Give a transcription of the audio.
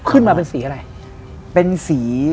ขึ้นมาเป็นสีอะไร